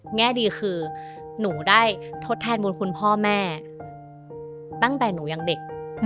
แง่ดีคือหนูได้ทดแทนบุญคุณพ่อแม่ตั้งแต่หนูยังเด็ก